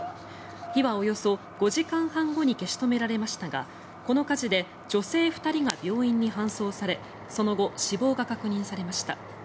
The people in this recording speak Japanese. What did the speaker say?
火はおよそ５時間半後に消し止められましたがこの火事で女性２人が病院に搬送されその後、死亡が確認されました。